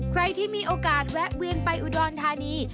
ใครที่มีโอกาสแวะเวียนไปอุดรธานี